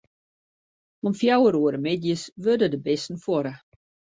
Om fjouwer oere middeis wurde de bisten fuorre.